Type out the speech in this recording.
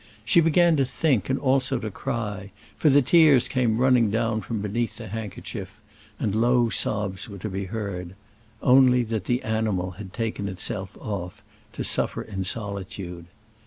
She began to think and also to cry, for the tears came running down from beneath the handkerchief; and low sobs were to be heard, only that the animal had taken itself off, to suffer in solitude.